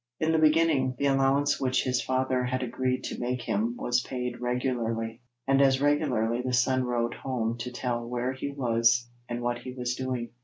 In the beginning, the allowance which his father had agreed to make him was paid regularly, and as regularly the son wrote home to tell where he was and what he was doing.